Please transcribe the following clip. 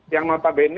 yang malpabene memang